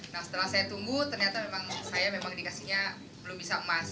nah setelah saya tunggu ternyata memang saya memang dikasihnya belum bisa emas